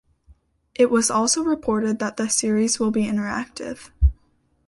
It was also reported that the series will be interactive.